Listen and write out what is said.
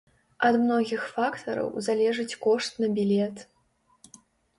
Ад многіх фактараў залежыць кошт на білет.